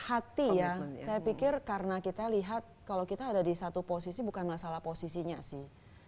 hati ya saya pikir karena kita lihat kalau kita ada di satu posisi bukan masalah posisinya sih